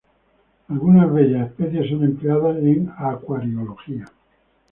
Algunas bellas especies son empleadas en acuariología.